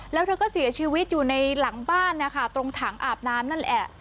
แล้วเธอก็เสียชีวิตอยู่ในหลังบ้านนะคะตรงถังอาบน้ำนั่นแหละ